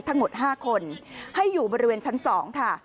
ทั้งหมด๕คนให้อยู่บริเวณชั้น๒ค่ะ